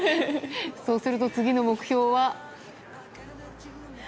そうすると次の目標は？